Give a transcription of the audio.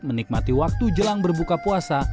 menikmati waktu jelang berbuka puasa